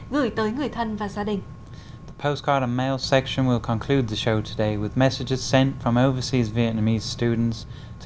gửi tới người thân và gia đình